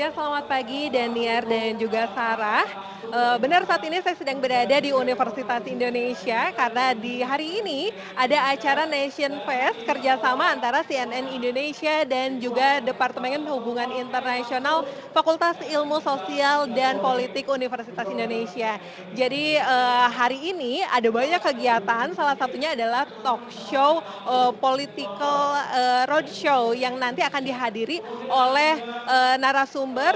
satunya adalah talk show political road show yang nanti akan dihadiri oleh narasumber